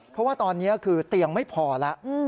เพราะว่าตอนนี้คือเตียงไม่พอแล้ว